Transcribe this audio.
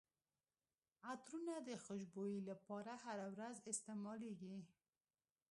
عطرونه د خوشبويي لپاره هره ورځ استعمالیږي.